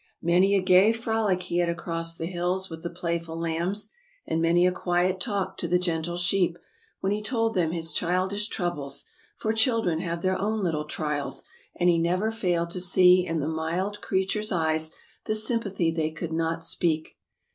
Many a gay frolic he had across the hills with the playful lambs, and many a quiet talk to the gentle sheep, when he told them his childish troubles — for children have their own little trials — and he never failed to see in the mild creatures' eyes the sympathy they could not speak.